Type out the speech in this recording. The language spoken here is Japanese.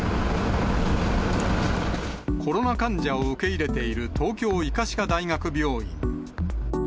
コロナ患者を受け入れている東京医科歯科大学病院。